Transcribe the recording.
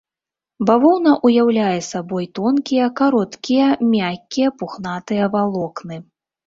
Бавоўна ўяўляе сабой тонкія, кароткія, мяккія пухнатыя валокны.